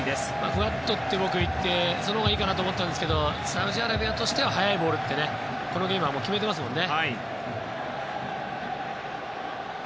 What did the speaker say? ふわっといってそのままでいいかなと思ったんですがサウジアラビアとしては速いボールとこのゲームでは決めていますね。